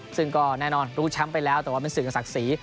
ซึ่งก็แน่นอนรู้แชมป์ไปแล้วแต่ว่าเป็นสิ่งศักดิ์ศรี